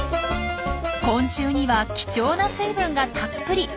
昆虫には貴重な水分がたっぷり。